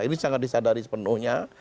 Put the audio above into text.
ini sangat disadari sepenuhnya